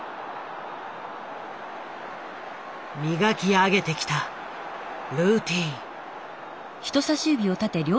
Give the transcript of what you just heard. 磨き上げてきたルーティーン。